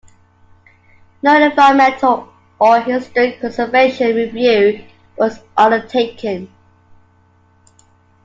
No environmental or historic preservation review was undertaken.